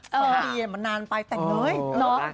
เวลาที่เย็นมานานไปแต่งงาน